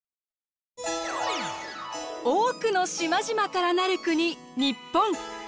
多くの島々からなる国日本。